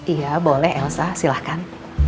iya boleh elsa silahkan